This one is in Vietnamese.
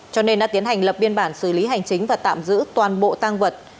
cho nên đã tiến hành lập biên bản xử lý hành chính và tạm giữ toàn bộ tăng vật